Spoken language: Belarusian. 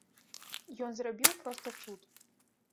Ён зрабіў проста цуд.